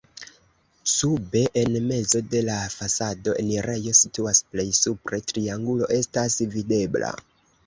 Sube en mezo de la fasado enirejo situas, plej supre triangulo estas videbla.